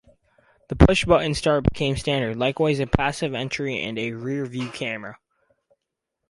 The push-button start became standard, likewise a passive entry and a rear-view camera.